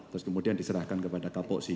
terus kemudian diserahkan kepada kak poksi